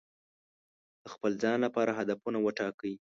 د خپل ځان لپاره هدفونه وټاکئ.